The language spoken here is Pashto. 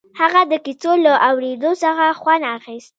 هغه د کيسو له اورېدو څخه خوند اخيست.